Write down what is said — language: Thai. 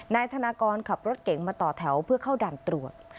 นายธนากรขับรถเก๋งมาต่อแถวเพื่อเข้าด่านตรวจ